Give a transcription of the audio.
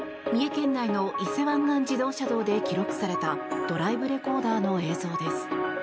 三重県内の伊勢湾岸自動車道で記録されたドライブレコーダーの映像です。